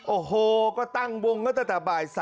โอ้โหก็ตั้งวงก็ตั้งแต่บ่าย๓